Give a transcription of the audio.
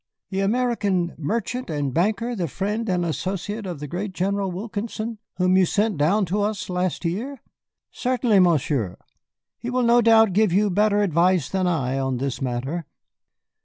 "The American merchant and banker, the friend and associate of the great General Wilkinson whom you sent down to us last year? Certainly, Monsieur. He will no doubt give you better advice than I on this matter."